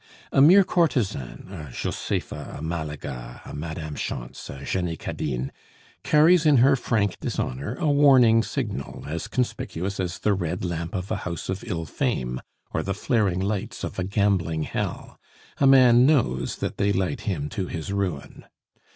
A mere courtesan a Josepha, a Malaga, a Madame Schontz, a Jenny Cadine carries in her frank dishonor a warning signal as conspicuous as the red lamp of a house of ill fame or the flaring lights of a gambling hell. A man knows that they light him to his ruin.